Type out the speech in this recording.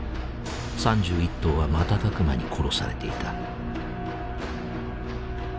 ３１頭は瞬く間に殺されていた。